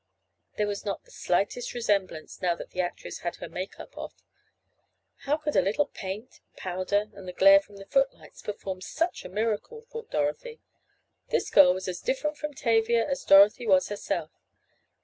There was not the slightest resemblance now that the actress had her "make up" off. How could a little paint, powder and the glare from the footlights perform such a miracle, thought Dorothy. This girl was as different from Tavia as Dorothy was herself.